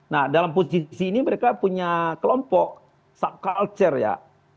nah dalam posisi ini mereka punya kelompok subculture ya